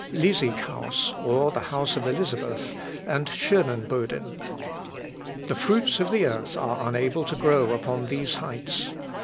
_, Lisighaus, or the House of Elizabeth, and Schœnenboden. The fruits of the earth are unable to grow upon these heights.